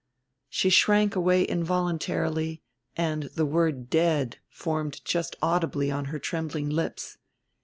She shrank away involuntarily, and the word "Dead" formed just audibly on her trembling lips.